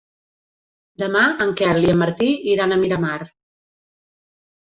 Demà en Quel i en Martí iran a Miramar.